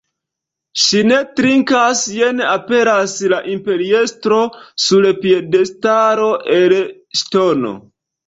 Ŝi ne trinkas, jen aperas la imperiestro sur piedestalo el ŝtono.